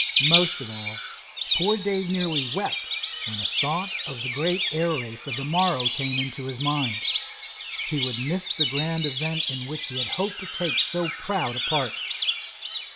Most of all, poor Dave nearly wept when a thought of the great air race of the morrow came into his mind. He would miss the grand event in which he had hoped to take so proud a part.